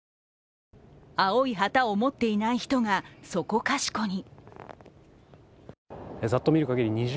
青い旗を持っていない人がそこかしこに。